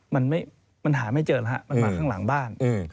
มันหาไม่เจอแล้วฮะมันมาข้างหลังบ้าน